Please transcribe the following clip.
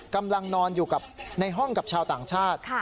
กำลังนอนอยู่ในห้องกับชาวต่างชาติ